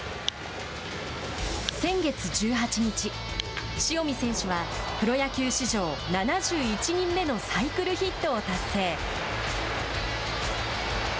先月１８日、塩見選手はプロ野球史上７１人目のサイクルヒットを達成。